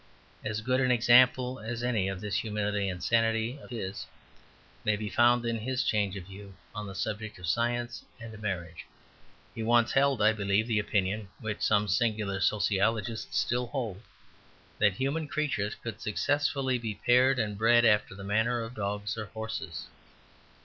As good an example as any of this humility and sanity of his may be found in his change of view on the subject of science and marriage. He once held, I believe, the opinion which some singular sociologists still hold, that human creatures could successfully be paired and bred after the manner of dogs or horses.